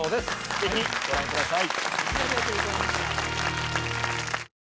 ぜひご覧ください